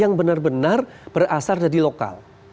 yang benar benar berasal dari lokal